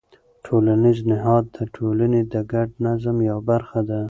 ټولنیز نهاد د ټولنې د ګډ نظم یوه برخه ده.